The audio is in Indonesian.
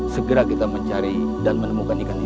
segera kita mencari dan menemukan ikan ini